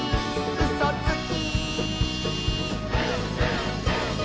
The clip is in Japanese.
「うそつき！」